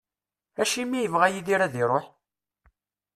Acimi i yebɣa Yidir ad iruḥ?